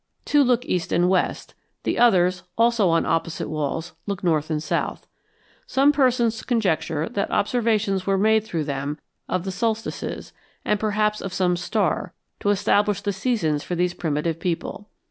Two look east and west; the others, also on opposite walls, look north and south. Some persons conjecture that observations were made through them of the solstices, and perhaps of some star, to establish the seasons for these primitive people.